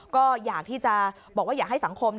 ก็อยากที่จะบอกว่าอยากให้สังคม